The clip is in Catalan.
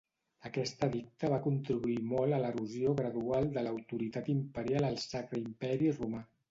Aquest edicte va contribuir molt a l'erosió gradual de l'autoritat imperial al Sacre Imperi Romà.